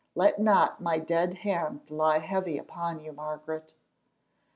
Let not my dead hand lie heavy upon you, Margaret."